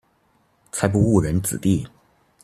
才不誤人子弟